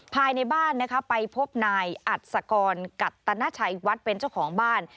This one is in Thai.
ภายในบ้านนะคะไปพบนายอัศกรกัตนาชัยวัดเป็นเจ้าของบ้าน